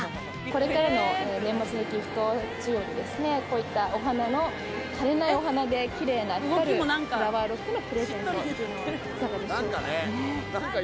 これからの年末のギフト仕様にこういったお花の枯れないお花でキレイに光るフラワーロックのプレゼント、いかがでしょうか。